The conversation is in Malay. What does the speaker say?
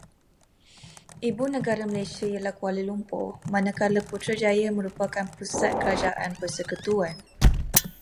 Ibu negara Malaysia ialah Kuala Lumpur, manakala Putrajaya merupakan pusat kerajaan persekutuan.